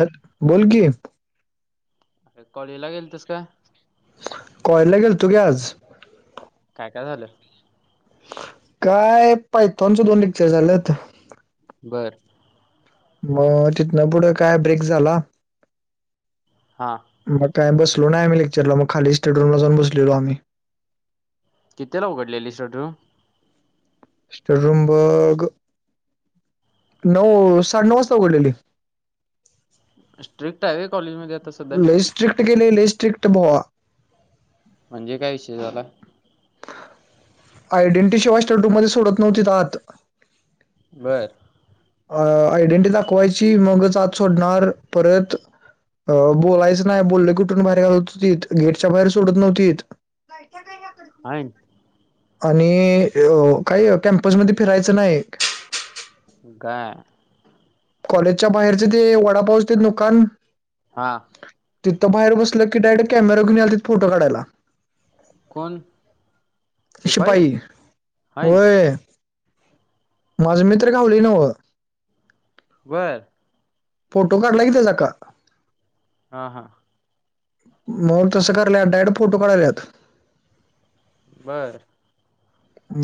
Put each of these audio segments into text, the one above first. हट बोल की. अरे कॉलेज ला गेलतिस का? कॉलेजला गेल तो की आज. काय काय झालं काय पायथॉनच दोन लेक्चर झालेत. बरं मग तिथन पुढं काय ब्रेक झाला हां मग काय बसलो नाही आम्ही लेक्चरला मग खाली स्टडिला जाऊन बसलेलो आम्ही. किती ला उघडलेली [unintelligible] बग [unintelligible] नऊ, साडे नऊ वाजता उघडलेली. स्ट्रिक्ट आहे होय कॉलेजमध्ये आता सध्या लय स्ट्रिक्ट केले लय स्ट्रिक्ट बुवा म्हणजे काय विषय झाला आयडेंटी शिवाय [unintelligible] मध्ये सोडत नव्हती आत बर. अ आयडेंटि दाखवायची मगच आत सोडणार परत अ बोलायचं नाही बोललं उठून बाहेर घालत होतीत. गेटच्या बाहेर सोडत नव्हतीत. कायच्या काय [unintelligible] आहे. आणि अ काय कॅम्पसमध्ये फिरायचं नाही गा कॉलेजच्या बाहेरचे ते वडापावचे ते दुकान हा तिथं बाहेर बसल की डायरेक्ट कॅमेरा घेऊन यायलेत फोटो काढायला. कोण शिपाई हाय होय माझ मित्र गाव्हलय नव्ह. बर फोटो काढला कि त्याच्या हा हा मग तसं करायल्यात डायरेक्ट फोटो काढाल्यात. बरं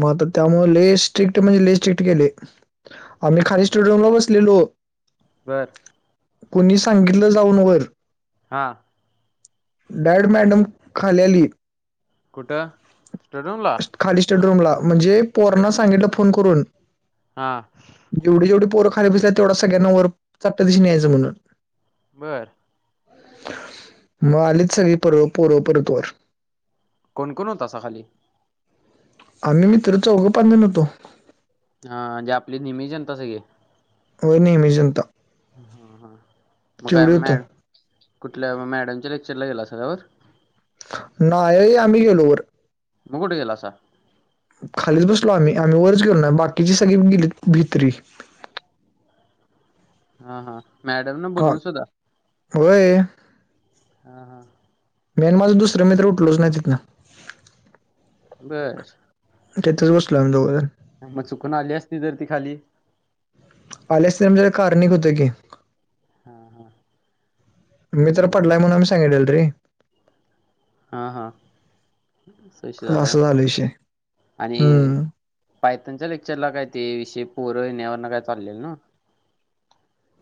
मग आता त्यामुळे लय स्ट्रिक्ट म्हणजे लय स्ट्रिक्ट केले. आम्ही खाली स्टुडिओला बसलेलो बरं कोणी सांगितलं जाऊन वर-' हां डायरेक्ट मॅडम खाली आली. कुठं? स्टडिरुमला खाली स्टडिरूमला म्हणजे पोरना सांगितलं फोन करून-' हा जेवढे जेवढ पोर खाली बसल्या तेवढा सगळ्यांना चट दिशी वर यायचं म्हणून-' बरं मग आलीच सगळी प पोर परत वर कोणकोणत होतसा खाली? आम्ही मित्र चौघं पाच जन होतो. हा जे आपली नेहमी जनता सगळी होनमेजनंत हा हा मग काय मॅ होतो कुठल्या मॅडमच्या लेक्चरला गेला सळवर नाही आम्ही गेलोवरर मुघड गेला स खालीच बसलो आम्ही आम्ही वरच गेलो ना बाकीची सगळी गेली भिततरी हा हा मॅडम न हा बोलवून सुधा होय हा हा मेन माझं दुसर मित्र उठलच नाही तिथं बस त्यातच गो सला जाबाल मग चुकून आली असती तर ती खाली आलेस म्हणजेला कार्णिक होत की हा हा मी तर बर पडलाय म्हणून आम्ही सांगितलेल रे हा हा सश झालंय असं झालं विषय आणि हम्म पाय त्यांांच्या लेक्चरला काय ते विषय पोरं येण्यावर काय चाललेल ना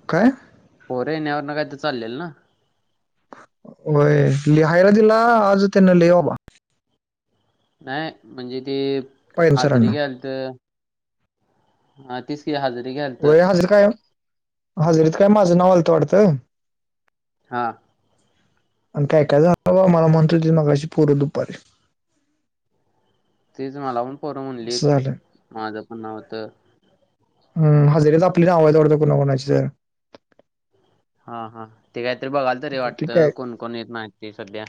ओकय पोरे येण्यावर ना काही तर चाललेल ना वय.. लिहायला दिला आज त्यांना लय व बा नाही म्हणजे ते पाहिजे हजरीे सरांना घ्याल तर हा तसकी हज होय हजर काय हजरीत काय माझं नावालत वाटत हा आणि काय काय झा मला म्हणतोय ती मग अशी प पुरं दुपारी तीच मला पण परवणली असं झालं माझं पण नव्हतं हम हजेरीच आपली नावं आहे दवडं कोुणा कोणाची सर हा हा ते काहीतरी बघाल तरी ते वाटतं काय कोण कोण य माहिती सध्या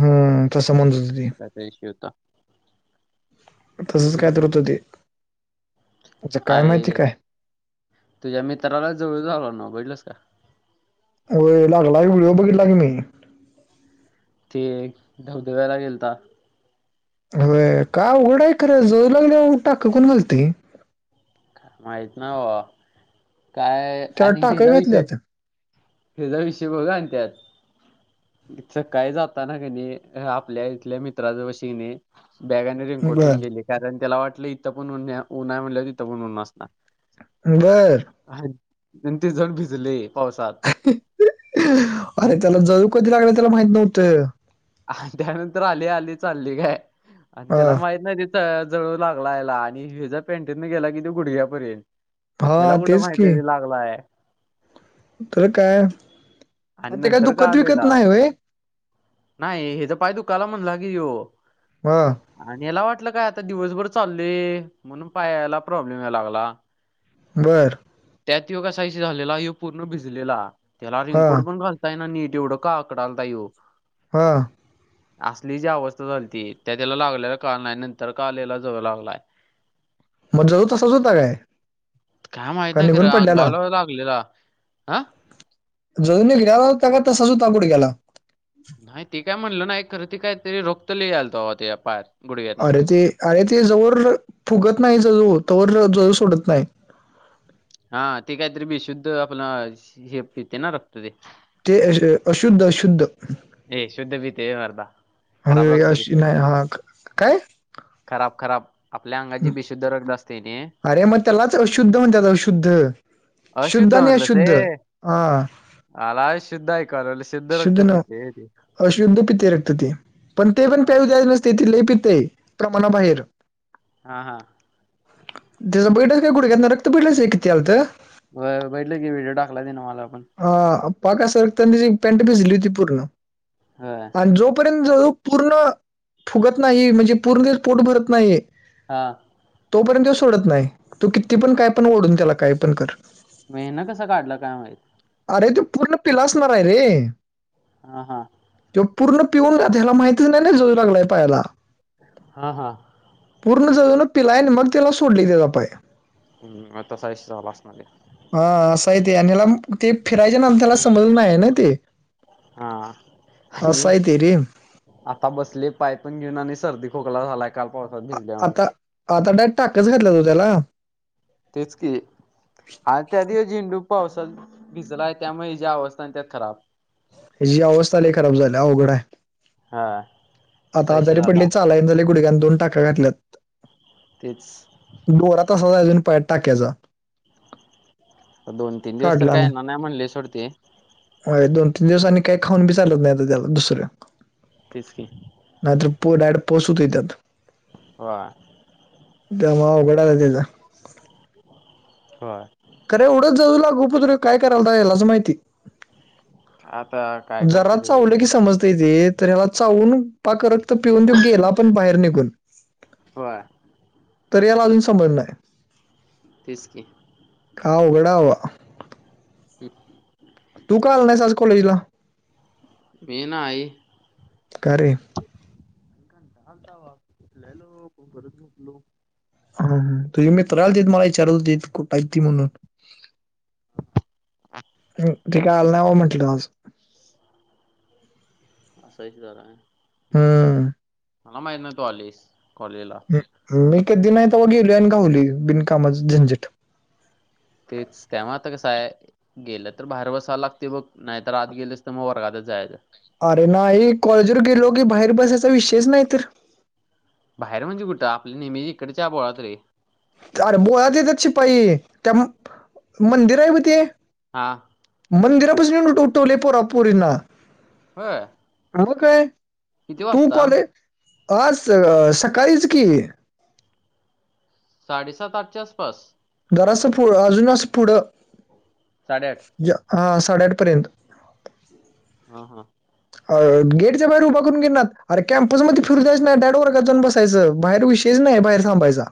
हम तसं म्हणज कात शवता तसच काय तरत हो ते आ काय माहिती अरे काय तुझ्या मित्राला जवळ जा आला ना बजलस का हो लागला व्हिडिओ बघितला की मी ते धबधब्यायला गेलतात अर का उघडा आहे खरे जाऊ लागल्या उ टाककून घालती माहित ना काय त्याला आणि टाक घ्याचा घातली विषय आता हचा विषय बघा आणि त्यात थ काही जाताना क नाही आपल्या इथल्या मित्राच्या वशीने बॅगाने बर रिंगकोठन गेली कारण त्याला वाटलं इथं पणन उन्हा म्हटलं तिथं पण ऊ्ह असणार बर ह न तेीस जण भिजले पावसात आणि अरे त्याला जळू कधी लागला त्याला माहित नव्हतं त्यानंतर आली आली चालली काय आणि हा त्याला माहित नाही जळू लागला याला आणि ह ज्या पॅनटीनं गेला की तो गुडघ्यापर्यंत त्याला हा कुठं तेच माहिती की आहे त लागलाय तर काय आणि ते काय नंतर का दुखत विकत आलेला नाही वय नाही हे तर पाहि तू काला म्हणलं की येो हां आणि याला वाटलं काय आता दिवसभर चालले म्हणून पायाला प्रॉब्लेम या लागला बर त्यात य कसा झालेला ह पूर्ण भिजलेला त्याला हा रिंगकोड पण घाल ना नीट उडक आकडालताय हां असली जी अवस्था झाल त त्या त्याला लागलेला कार नाहीय नंतर कालेला जाव लागलाय मगज तसंच होता काय काय माहत का नाही ख निघून पडल्याला अंगावला लागलेला हं जजूननी घेला त्या त सजू ताबड गेला नाही ते काय म्हटलं ना एक खरं ती काय तरी रोखत ल यालत ते पात अरे ते अरे ते जवर फुगत नाही जजू त जजू सोडत नाही हा ते काहीतरी बी शुद्ध आपलं हे पे ना रपतो ते तेश अशुद्ध अशुद्ध [unintelligible] ए शुद्ध भीते वरध [unintelligible] ह अशी नाही हा काय [unintelligible] खराब खराब [unintelligible] आपल्या अंगाची बीशुद्ध रक्त असते न अरे मग त्यालाच अशुद्ध म्हणतात अशुद्ध शुद्ध अशुद्ध आणि म्हणलं ते हा आला शुद्ध ऐकाल शुद्ध न अशुद्ध पित्े रक्त ते पण ते पण हा प्याऊ द्या नस ि ति ल पिते प्रमाणाबाहेर [unintelligible] हा हा [unintelligible] त्याचं बैटाच काय कुठे घेतणार रक्त बैटलंच आहे किती आल तर बैटले की व्हिडिओ टाकलाय दे ना मला आपण [unintelligible] हा पाकासारख त्यांनीी पेन्ट भिजली होती पूर्ण हा [unintelligible] आणि जोपर्यंत जो पूर्ण फुगत नाही म्हणजे पूर्ण ते पोट भरत नाही हा [unintelligible] तोपर्यंत सोडत नाही तू किती पण काय पण ओढून त्याला काय पण कर मेहन कसं काढलं काय माहित [unintelligible] अरे तू पूर्ण पिलासणार आहे रे [unintelligible] ह हा [unintelligible] ते पूर्ण पिऊन राहात्याला माहतीच नाही जजू लागलाय पायाला हा हा [unintelligible] पूर्ण जऊून पिलायने मग त्याला सोडली ज पाय [unintelligible] हम्म म तसा इस चवला असणार [unintelligible] हा सइ ते अनिलम [unintelligible] ते फिरायचे नाम त्याला समज नाही आहे ना ते हा असं आणि आहे ते रे आता बसले पाय पून घेऊन आणि सर्दी खोकला झालाय काल पावसात भिजल्यावर आता आता डायट टाकच घातला तो त्याला [unintelligible] तेच की [unintelligible] आणि त्या दिवस झेंडू पावसाात भिजला आहे त्यामुळे ज्या अवस्था त्यात खराब हची अवस्थालाली खराब झाली उघडा आहे [unintelligible] हा असा आता विषय आजारी झाला पडली चालायन झाली गुडग्यान दोन टाका घातल्यात तेच [unintelligible] डोरा त असा अजून पा टाक्याचा [unintelligible] दोन तीन दिवस तर काय ना नाही म्हणली सोडते [unintelligible] हो दोन तीन दिवसांनी काही खाऊन बी चालत नाही त्याला दुसरं तेचके [unintelligible] नाहीतर पो डाड पोस होत येतात [unintelligible] वा [unintelligible] त्यामुळं अवघड आहे बघ तिचं [unintelligible] होय [unintelligible] खर एवढं जवळ लागू पतुर ह्यो काय करालता ह्यालाच माहिती [unintelligible] आता [unintelligible] जरा तिथे चावलं देव. की समजता येते तर ह्याला चावून पा करत तर पिऊन देऊ गेल आपण बाहेर निघून [unintelligible] हो [unintelligible] तररी याला अजून समजणं [unintelligible] तेच कि [unintelligible] काय अवघड आहे बाबा [unintelligible] [unintelligible] तू का आला नाहीस आज कॉलेज ला मी नाही का रे कंटाळा आलता बाबा उठल्यालो परत झोपलो हम्म तुझी मित्र आलतीत मला विचारालतीत कु ठाय ते म्हणून ते काय आलं नाही बाबा म्हंटलं आज असा विषय चालू आहे हम्म मला माहित नव्हतं तू आलंयस कॉलेजला मी कधी नाही तवा गेलोय आणि घावलोय बिनकामाच झंझट तेच त्यामुळं आता कसं आहे गेलं तर बाहेर बसायला लागतंय बघ नाही तर आत गेलस तर मग वर्गातच जायचं अरे नाही कॉलेजवर गेलो की बाहेर बसायचा विषयच नाही तर बाहेर म्हणजे कुठं आपल्या नेहमीच्या इकडच्या बोळात रे अरे बोळात येत्यात शिपाई त्या मंदिर आहे ब ते हां मंदिरापशी येऊन उठ उठवलंय पोरा पोरींना होय [unintelligible] काय किती तू वाजता? कॉले आज सकाळीच कि साडेसात आठच्या आसपास जरासं पु अजून असं पुढं साडेआठ हा साडेआठ पर्यंत हा हा अ गेटच्या बाहेर उभा करून घेईनात अरे कॅम्पस मध्ये फिरु द्यायच नाही डायरेक्ट वर्गात जाऊन बसा यच बाहेर विषयच नाही बाहेर थांबायचा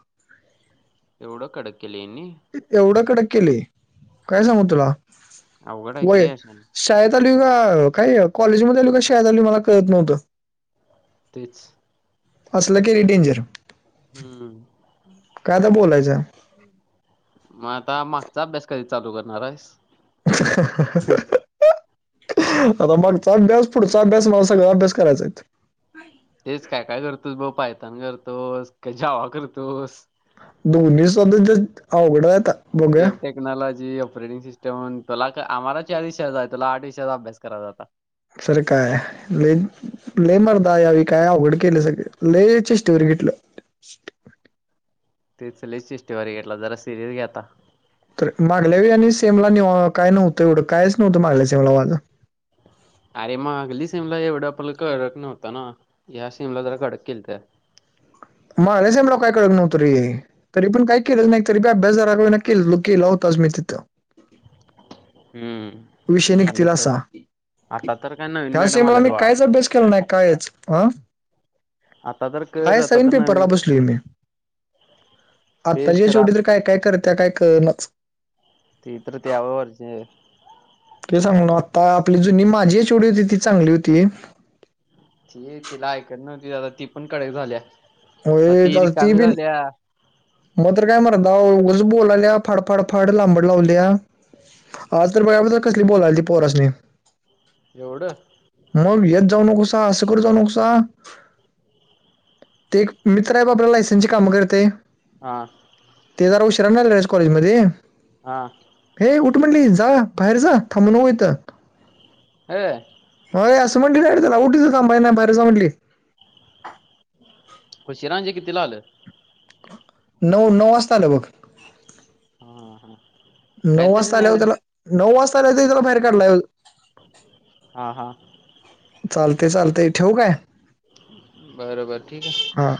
एवढं कडक केलंय ह्यानी एवढं कडक केलंय काय सांगू तुला अवघड आहे की व्हय रे अशाने शाळेत आलोय का काय कॉलेजमध्ये आलोय का शाळेत आलोय मला कळत नव्हतं तेच असलं केलंय डेंजर हम्म काय आता बोलायचं म आता मागचा अभ्यास कधी चालू करणार आहेस [unintelligible] आता मागचा अभ्यास पुढचा अभ्यास मला सगळा अभ्यास करायचा आहेत तेच काय काय करतोस बघ पायतान करतोस का जावा करतोस दोन्ही [unintelligible] आवघड आहे आता एरटेक टेक्नॉलॉजी ऑपरेटिंग सिस्टम तुला क आम्हाला चार विषय आहेत बाळ तुला आठ विषयाचा अभ्यास करायचा आहे आता असूदे काय आहे लई लयं मर्दा यावेळी काय अवघड केलय सगळ लयं चेष्टेवारी घेतलं तेच लयं चेष्टेवारी घेतलास जरा सिरिअस घे आता तर मागल्या व आणि सेमला काय नव्हतं एवढं कायच नव्हतं मागल्या सेमला वाज अरे मग अगली सीमला एवढं आपला कडक नव्हता ना या्या सीमला जरा कडक केल तर मागल्या सेम ला काय कळतं नव्हतं रे तरी पण काय केलंच नाही तरी बी अभ्यास जरा का होईना केलेलो केला होताच मी तिथं हम्म विषय ते झालं निघतील सोड. असा आता तर काय नवीन ह्या मॅडम सेमाला आल्यात मी बाळा. कायच अभ्यास केला नाही कायच ह आता तर कर हाय आता सवीन तर नवीन पेपबश ल मे तेच आत्ताची या खरं शेवटी तरी काय काय करत्या काय करणच ते तर त्यावर वरतीहेत ते सांगलो आत्ता आपली जुनी माझी एच ओ डी होती ती चांगली होती ती तिला ऐकत नव्हती दादा ती पण कडक झालीया होय आता ती बिन मग तर काय मरदा ओ उगच बोलाल्या फाडफाडफाड लांबड लावलीया हा तर भय्या बद्दल कसली बोलायला ती पोरासनी एवढं मग येत जाऊ नकोसा असं करत जाऊ नकोसा [unintelligible] ते एक मित्र हाय बघ आपल्या लायसनसची कामं करतय हा ते जरा उशिरान जायचं जाय कॉलेजमध्ये हा हे उठ म्हटली जा बाहेर जा थांबू नको इथं हा होय असं म्हटली डारेक्ट उठ इथं थांबायचं नाही बाहेर जा म्हटली. उशिरा म्हणजे कितीला आलं? नऊ, नऊ वाजता आलं बघ हा हा नऊ काहीतरी वाजता ना आल्यावर त्याला, नऊ वाजता आल्यावर त्याला बाहेर काढलाय बघ हा हा चालतय, चालतय ठेऊ काय? बर, बर ठीक हाय हा,